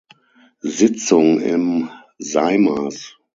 Sitzung im Seimas.